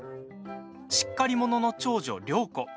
しっかり者の長女・良子。